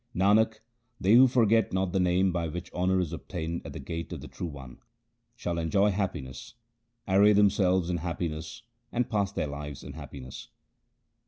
Nanak, they who forget not the Name by which honour is obtained at the gate of the True One, Shall enjoy happiness, array themselves in happiness, and pass their lives in happiness.